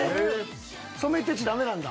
染めてちゃ駄目なんだ？